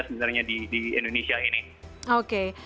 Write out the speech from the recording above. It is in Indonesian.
sebenarnya di indonesia ini